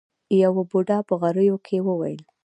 يوه بوډا په غريو کې وويل.